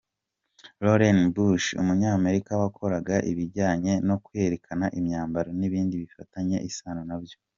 Lauren Bush, Umunyamerika wakoraga ibijyanye no kwerekana imyambaro n’ibindi bifitanye isano nabyo.